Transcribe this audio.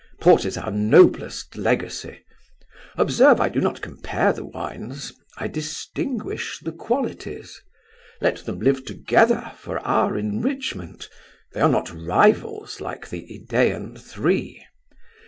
Port is our noblest legacy! Observe, I do not compare the wines; I distinguish the qualities. Let them live together for our enrichment; they are not rivals like the Idaean Three.